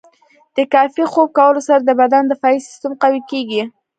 د کافي خوب کولو سره د بدن دفاعي سیستم قوي کیږي.